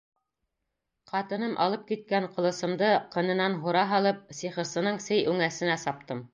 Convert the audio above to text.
Ҡатыным алып киткән ҡылысымды ҡынынан һура һалып, сихырсының сей үңәсенә саптым.